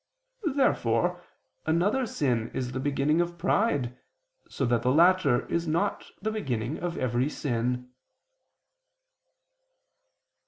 Therefore another sin is the beginning of pride, so that the latter is not the beginning of every sin.